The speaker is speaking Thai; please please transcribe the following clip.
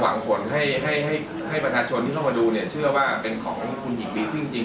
หวังผลให้พนชนเชื่อว่าเป็นของของคุณหญิงรีซึ่งจริง